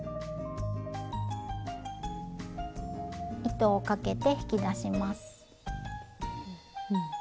糸をかけて引き出します。